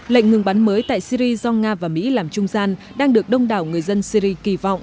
lệnh ngừng bắn mới tại syri do nga và mỹ làm trung gian đang được đông đảo người dân syri kỳ vọng